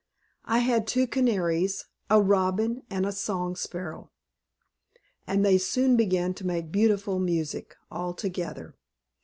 I had two canaries, a robin, and a song sparrow, and they soon began to make beautiful music all together.